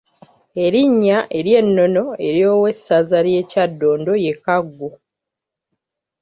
Erinnya ery’ennono ery’owessaza ly’e Kyaddondo ye Kaggo.